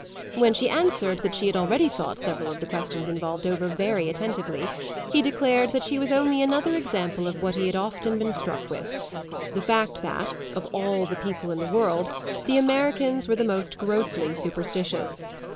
When she answered that she had already thought several of the questions involved over very attentively he declared that she was only another example of what he had often been struck with the fact that, of all the people in the world, the Americans were the most grossly superstitious.